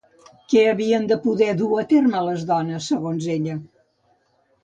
Què havien de poder dur a terme les dones, segons ella?